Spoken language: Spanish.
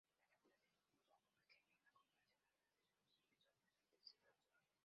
Una cantidad un poco pequeña en comparación a la de sus episodios antecesores.